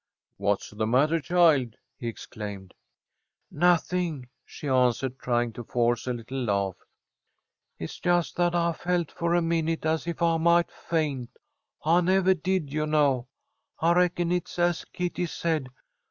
"What's the matter, child?" he exclaimed. "Nothing," she answered, trying to force a little laugh. "It's just that I felt for a minute as if I might faint. I nevah did, you know. I reckon it's as Kitty said.